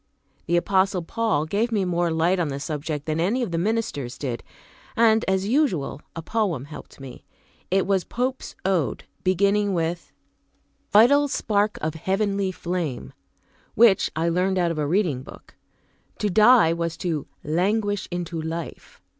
The Apostle Paul gave me more light on the subject than any of the ministers did. And, as usual, a poem helped me. It was Pope's Ode, beginning with, "Vital spark of heavenly flame," which I learned out of a reading book. To die was to "languish into life."